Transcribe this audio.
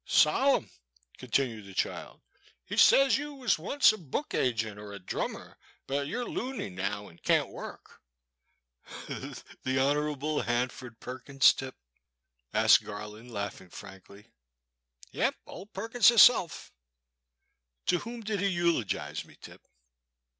Solemn,*' continued the child, he says you was onct a book agent or a drummer, but you 're loony now and can't work." "The Hon. Hanford Perkins, Tip?" asked Garland, laughing frankly. " Yep, ole Perkins hisself." '* To whom did he eulogize me. Tip